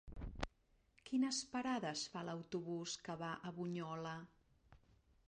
Quines parades fa l'autobús que va a Bunyola?